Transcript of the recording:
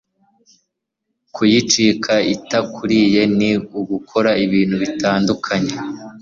kuyicika itakuriye ni ugukora ibintu bitandukanye